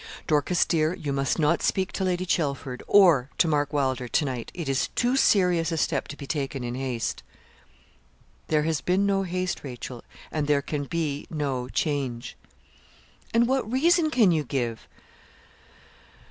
'Dorcas, dear, you must not speak to Lady Chelford, or to Mark Wylder, to night. It is too serious a step to be taken in haste.' 'There has been no haste, Rachel, and there can be no change.' 'And what reason can you give?'